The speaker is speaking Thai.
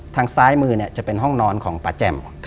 ทางซ้ายมือเนี่ยจะเป็นห้องนอนของป้าแจ่ม